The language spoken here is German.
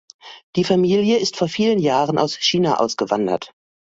Die Familie ist vor vielen Jahren aus China ausgewandert.